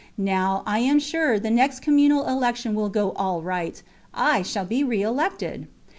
Now, I am sure, the next communal election will go all right. I shall be re elected.